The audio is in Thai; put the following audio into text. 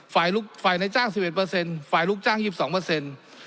ฝ่ายลูกฝ่ายในจ้างสิบเอ็ดเปอร์เซ็นต์ฝ่ายลูกจ้างยิบสองเปอร์เซ็นต์